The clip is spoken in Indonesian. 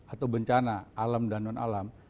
atau bencana alam dan non alam